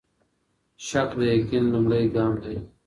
شک د يقين لومړی ګام دی.